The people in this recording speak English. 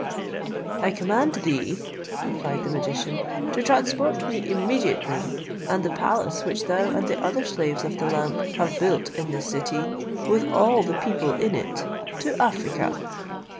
"I command thee," replied the magician, "to transport me immediately and the palace which thou and the other slaves of the lamp have built in this city, with all the people in it, to Africa."